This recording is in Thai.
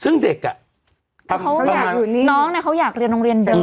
ซึ่งเด็กอ่ะเขาอยากน้องน่ะเขาอยากเรียนโรงเรียนเดิม